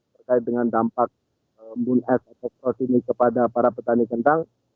terkait dengan dampak moon es atau cross ini kepada para petani kentang